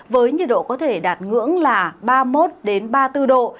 với nhiệt độ có thể đạt ngưỡng là ba mươi một ba mươi bốn độ